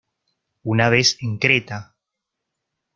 Una vez en Creta.